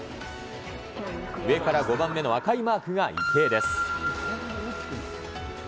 上から５番目の赤いマークが池江です。